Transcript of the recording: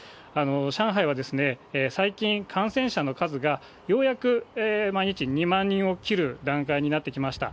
上海は最近、感染者の数がようやく毎日２万人を切る段階になってきました。